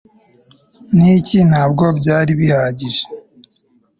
Niki Ntabwo byari bihagije